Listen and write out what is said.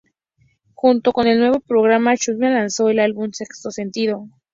Junto con el nuevo programa, Xuxa lanzó el álbum Sexto Sentido.